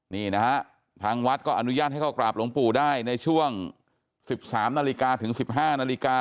นี่นะฮะทางวัดก็อนุญาตให้เข้ากราบหลวงปู่ได้ในช่วง๑๓นาฬิกาถึง๑๕นาฬิกา